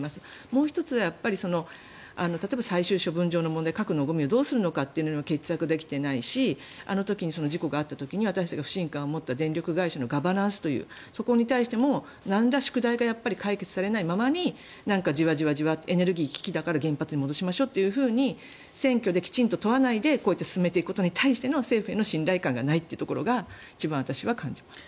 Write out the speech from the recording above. もう１つは例えば、最終処分場の問題核のゴミをどうするかというのも決着できていないしあの時に事故があった時に私たちが不信感を持った電力会社のガバナンスというそこに対してもなんら宿題が解決されないままになんか、じわじわとエネルギー危機だから原発に戻しましょうというふうに選挙できちんと問わないでこうやって進めていくことに対しての政府への信頼感がないのが一番私は感じます。